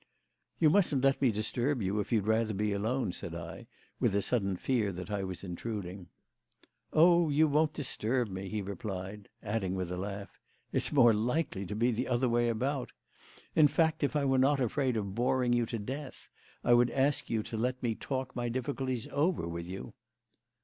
"You mustn't let me disturb you if you'd rather be alone," said I, with a sudden fear that I was intruding. "Oh, you won't disturb me," he replied; adding, with a laugh: "It's more likely to be the other way about. In fact, if I were not afraid of boring you to death I would ask you to let me talk my difficulties over with you."